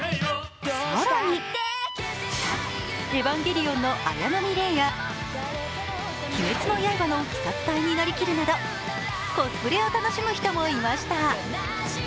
更に「エヴァンゲリオン」の綾波レイや「鬼滅の刃」の鬼殺隊になりきるなど、コスプレを楽しむ人もいました。